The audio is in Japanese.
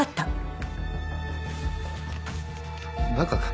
バカか？